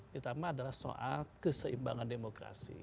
pertama adalah soal keseimbangan demokrasi